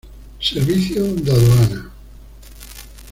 Servicio de aduana.